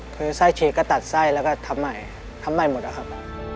คือไส้ฉีกก็ตัดไส้แล้วก็ทำใหม่ทำใหม่หมดอะครับ